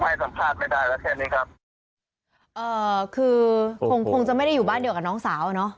ให้สัมภาษณ์ไม่ได้แล้วแค่นี้ครับเอ่อคือคงคงจะไม่ได้อยู่บ้านเดียวกับน้องสาวอ่ะเนอะ